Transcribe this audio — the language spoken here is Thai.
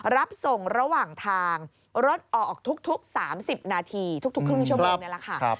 รับส่งระหว่างทางรถออกทุก๓๐นาทีทุกครึ่งชั่วโมงนี่แหละค่ะ